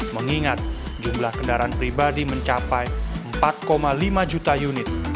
mengingat jumlah kendaraan pribadi mencapai empat lima juta unit